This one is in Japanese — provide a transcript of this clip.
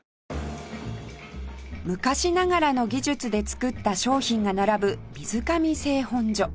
昔ながらの技術で作った商品が並ぶ水上製本所